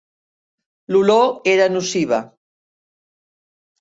L'olor era nociva.